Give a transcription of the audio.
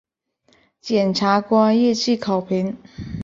检察官业绩考评